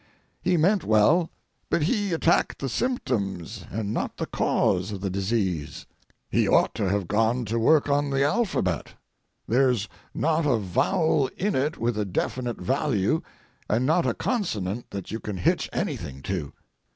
He meant well, but he attacked the symptoms and not the cause of the disease. He ought to have gone to work on the alphabet. There's not a vowel in it with a definite value, and not a consonant that you can hitch anything to.